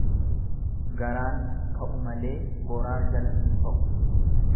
Garaan ka'u malee goraa jala hin ba'u.